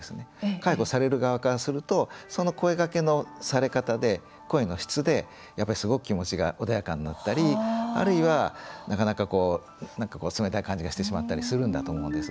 介護される側からするとその声がけのされ方で声の質で、やっぱりすごく気持ちが穏やかになったりあるいは、なかなか冷たい感じがしてしまったりすると思うんです。